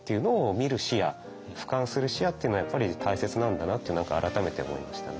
見る視野俯瞰する視野っていうのはやっぱり大切なんだなって改めて思いましたね。